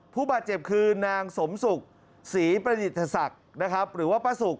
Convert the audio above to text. ผู้บาดเจ็บคือนางสมศุกร์ศรีประดิษฐศักดิ์นะครับหรือว่าป้าสุก